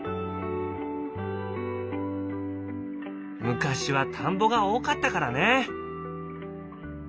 昔は田んぼが多かったからね。